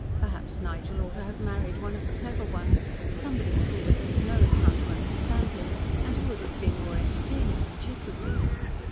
Perhaps Nigel ought to have married one of the clever ones, someone who would have known how to understand him and who would have been more entertaining than she could be.